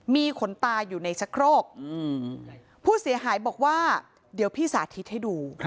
มีขนตาอยู่ในชะโครกผู้เสียหายบอกว่าเดี๋ยวพี่สาธิตให้ดู